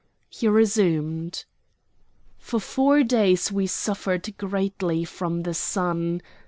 He resumed: "For four days we suffered greatly from the sun.